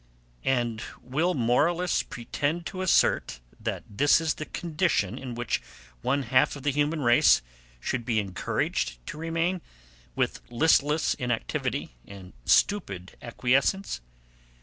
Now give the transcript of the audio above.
And will moralists pretend to assert, that this is the condition in which one half of the human race should be encouraged to remain with listless inactivity and stupid acquiescence?